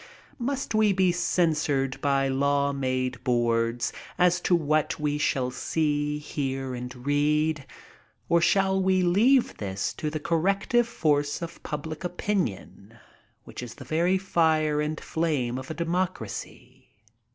"Must we be censored by law made boards as to what we shall see, hear and read, or shall we leave this to the corrective force of public opinion, which is the very fire and flame of a democracy?